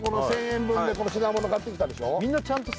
１０００円分でこの品物買ってきたでしょ